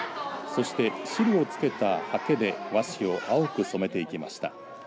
そして汁をつけたはけで和紙を青く染めていきました。